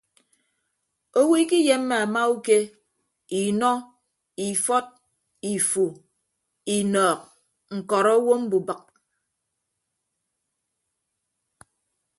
Owo ikiyemme amauke inọ ifọt ifu inọọk ñkọrọ owo mbubịk.